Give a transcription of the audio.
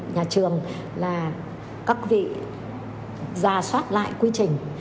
nhà trường là các vị ra soát lại quy trình